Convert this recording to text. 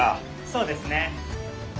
そうですね。